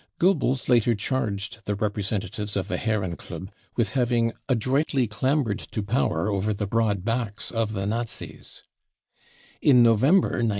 Goebbels later charged the representatives of the Herrenklub with having 44 adroitly clambered to power over the broad backs of the Nazis," In November 1932?